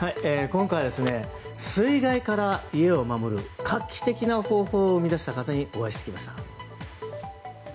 今回は水害から家を守る画期的な方法を生み出した方にお会いしてきました。